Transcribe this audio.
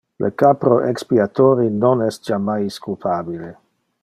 Le capro expiatori es non jammais culpabile.